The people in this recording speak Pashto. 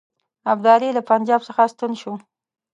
ابدالي له پنجاب څخه ستون شو.